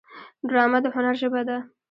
ډرامه د هنر ژبه ده